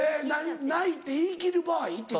「ない」って言い切る場合っていうこと？